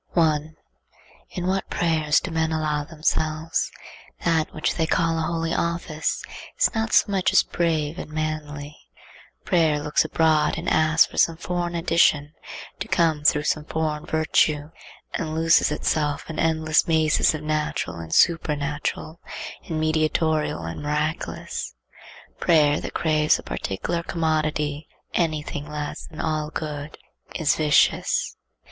1. In what prayers do men allow themselves! That which they call a holy office is not so much as brave and manly. Prayer looks abroad and asks for some foreign addition to come through some foreign virtue, and loses itself in endless mazes of natural and supernatural, and mediatorial and miraculous. Prayer that craves a particular commodity, any thing less than all good, is vicious.